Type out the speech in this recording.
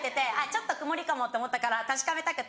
ちょっと曇りかもって思ったから確かめたくって